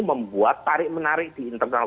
membuat tarik menarik di internal